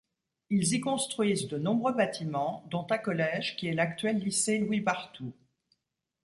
Ils y construisent de nombreux bâtiments, dont un collège qui est l'actuel lycée Louis-Barthou.